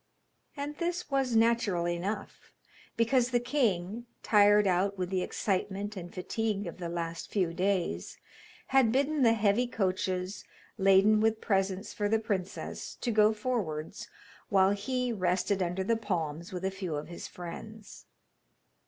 And this was natural enough, because the king, tired out with the excitement and fatigue of the last few days, had bidden the heavy coaches, laden with presents for the princess, to go forwards, while he rested under the palms with a few of his friends.